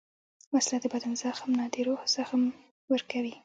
وسله د بدن زخم نه، د روح زخم ورکوي